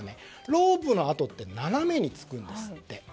ロープの痕って斜めにつくんですって。